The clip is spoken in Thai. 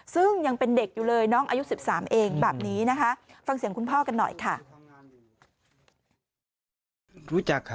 ซึ่งยังเป็นเด็กอยู่เลยน้องอายุ๑๓เองแบบนี้นะคะฟังเสียงคุณพ่อกันหน่อยค่ะ